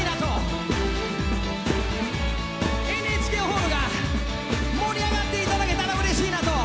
ＮＨＫホールが盛り上がって頂けたらうれしいなと。